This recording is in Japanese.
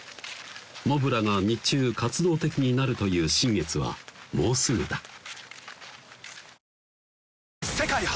モブラが日中活動的になるという新月はもうすぐだ世界初！